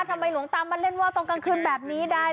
หลวงตามมาเล่นว่าวตอนกลางคืนแบบนี้ได้